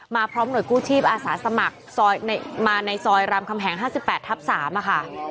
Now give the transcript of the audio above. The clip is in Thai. พร้อมหน่วยกู้ชีพอาสาสมัครมาในซอยรามคำแหง๕๘ทับ๓ค่ะ